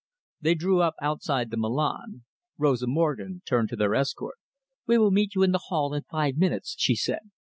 They drew up outside the Milan. Rosa Morgen turned to their escort. "We will meet you in the hall in five minutes," she said.